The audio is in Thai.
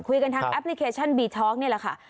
คุยกันทางแอปพลิเคชันบีท็อกนี่แหละค่ะ